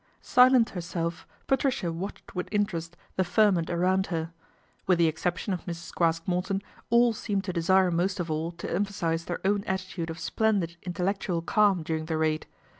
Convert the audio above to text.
Silent herself, Patricia watched with interest tne ferment around her. With the exception of Mrs. Craske Morton, all seemed to desire most of all to emphasize their own attitude of splendid intellectual calm during the raid.